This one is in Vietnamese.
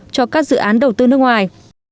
cho các dự án đầu tư nước ngoài